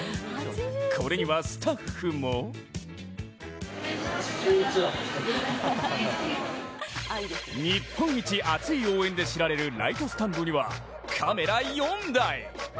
これにはスタッフも日本一熱い応援で知られるライトスタンドには、カメラ４台。